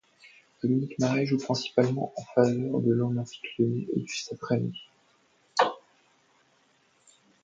Dominique Marais joue principalement en faveur de l'Olympique lyonnais et du Stade rennais.